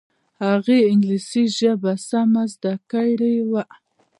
هغې انګلیسي ژبه سمه زده کړې وه